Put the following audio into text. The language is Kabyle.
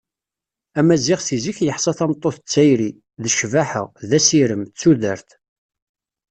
Amaziɣ si zik yeḥsa tameṭṭut d tayri, d ccbaḥa, d asirem, d tudert.